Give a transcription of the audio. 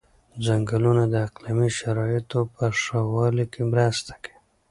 ځنګلونه د اقلیمي شرایطو په ښه والي کې مرسته کوي.